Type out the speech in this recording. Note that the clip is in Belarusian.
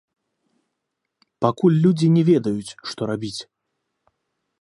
Пакуль людзі не ведаюць, што рабіць.